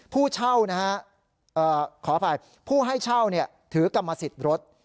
ผู้เช่านะฮะขออภัยผู้ให้เช่าถือกรรมสิทธิ์รถ